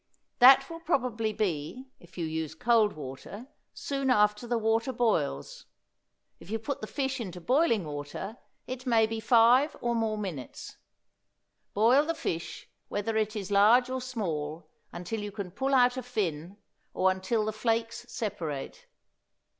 That will probably be, if you use cold water, soon after the water boils; if you put the fish into boiling water, it may be five or more minutes. Boil the fish, whether it is large or small, until you can pull out a fin, or until the flakes separate.